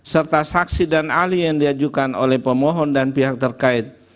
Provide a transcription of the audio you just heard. serta saksi dan ahli yang diajukan oleh pemohon dan pihak terkait